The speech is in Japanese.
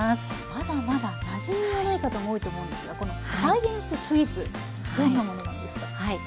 まだまだなじみのない方も多いと思うんですがこのサイエンススイーツどんなものなんですか？